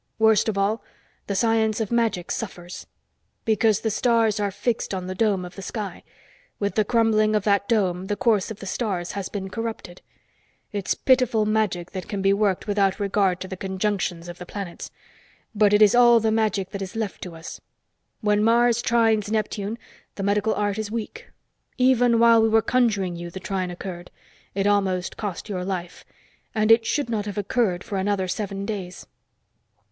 Worst of all, the Science of Magic suffers. Because the stars are fixed on the dome of the sky. With the crumbling of that dome, the course of the stars has been corrupted. It's pitiful magic that can be worked without regard to the conjunctions of the planets; but it is all the magic that is left to us. When Mars trines Neptune, the Medical Art is weak; even while we were conjuring you, the trine occurred. It almost cost your life. And it should not have occurred for another seven days."